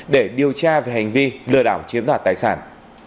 để điều tra về hành vi lừa đảo chiếm đoạt tài sản